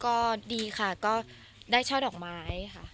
ก็ดีค่ะก็ได้ช่อดอกไม้ค่ะ